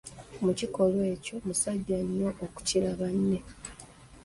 Mu kikolwa ekyo musajja nnyo okukira banne!